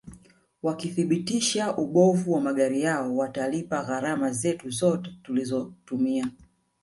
wakithibitisha ubovu wa magari yao watalipa gharama zetu zote tulizotumia